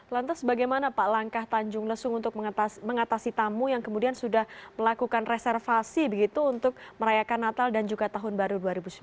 lantas bagaimana pak langkah tanjung lesung untuk mengatasi tamu yang kemudian sudah melakukan reservasi begitu untuk merayakan natal dan juga tahun baru dua ribu sembilan belas